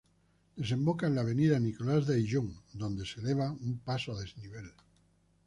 Desemboca en la avenida Nicolás de Ayllón, donde se eleva un paso a desnivel.